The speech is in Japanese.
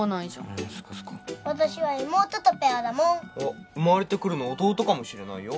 あそっかそっか私は妹とペアだもんおっ生まれてくるの弟かもしれないよ